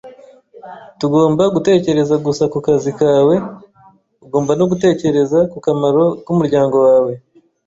Ntugomba gutekereza gusa ku kazi kawe, ugomba no gutekereza ku kamaro k'umuryango wawe